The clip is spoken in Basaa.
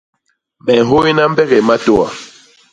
Me nhôyna mbegee matôa.